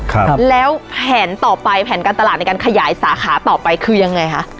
ครับแล้วแผนต่อไปแผนการตลาดในการขยายสาขาต่อไปคือยังไงคะ